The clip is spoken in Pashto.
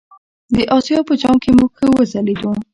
د آسیا په جام کې موږ ښه وځلیدو.